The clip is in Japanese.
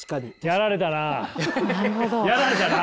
やられたな！